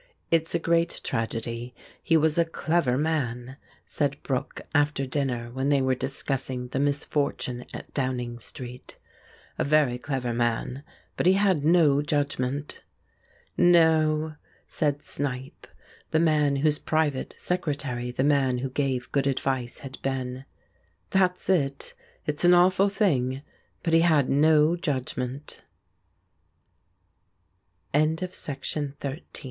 "It's a great tragedy he was a clever man," said Brooke after dinner when they were discussing the misfortune at Downing Street; "a very clever man, but he had no judgment." "No," said Snipe, the man whose private secretary the man who gave good advice had been, "That's it. It's an awful thing but he had no judgment." RUSSALKA Peter, or Petrush